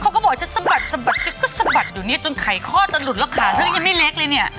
เขาก็บอกจะสะบัดสะบัดจะสะบัดอยู่เนี่ยจนไขข้อจะหลุดแล้วขาเธอก็ยังไม่เล็กเลยเนี่ย